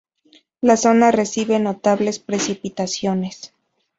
La zona recibe notables precipitaciones.